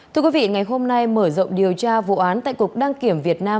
thưa quý vị ngày hôm nay mở rộng điều tra vụ án tại cục đăng kiểm việt nam